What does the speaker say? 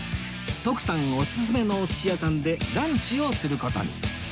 徳さんおすすめのお寿司屋さんでランチをする事に